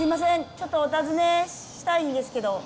ちょっとお尋ねしたいんですけど。